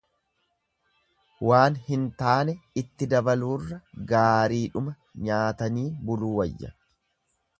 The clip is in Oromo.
Waan hin taane itti dabaluurra gaariidhuma nyaataniin buluu wayya.